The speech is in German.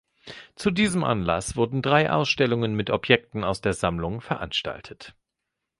Zu diesem Anlass wurden drei Ausstellungen mit Objekten aus der Sammlung veranstaltet.